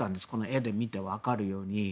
絵で見て分かるように。